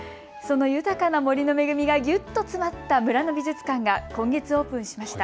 その豊かな森の恵みがぎゅっと詰まった村の美術館が今月オープンしました。